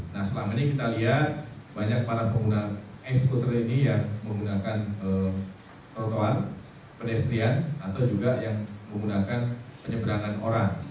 nah selama ini kita lihat banyak para pengguna expo trading yang menggunakan trotoar pedestrian atau juga yang menggunakan penyeberangan orang